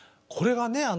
これがね